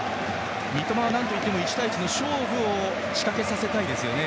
三笘はなんといっても１対１の勝負を仕掛けさせたいですね。